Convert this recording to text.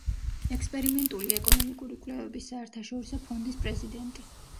ექსპერიმენტული ეკონომიკური კვლევების საერთაშორისო ფონდის პრეზიდენტი.